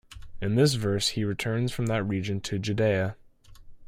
In this verse he returns from that region to Judea.